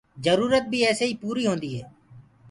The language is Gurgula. جرورت بيٚ ايسي ئي پوريٚ هونديٚ هي